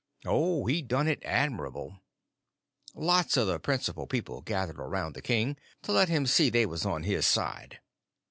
Oh, he done it admirable. Lots of the principal people gethered around the king, to let him see they was on his side.